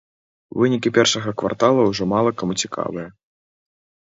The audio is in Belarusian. Вынікі першага квартала ўжо мала каму цікавыя.